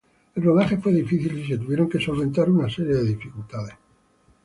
El rodaje fue difícil y se tuvieron que solventar una serie de dificultades.